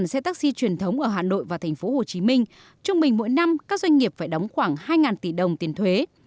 với taxi truyền thống ở hà nội và thành phố hồ chí minh trung bình mỗi năm các doanh nghiệp phải đóng khoảng hai tỷ đồng tiền thuế